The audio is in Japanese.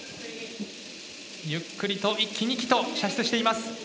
ゆっくりと１機２機と射出しています。